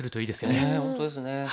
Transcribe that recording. ねえ本当ですね。